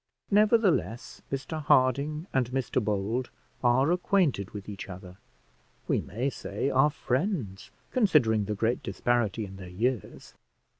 Nevertheless, Mr Harding and Mr Bold are acquainted with each other; we may say, are friends, considering the great disparity in their years.